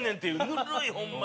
ぬるいホンマに。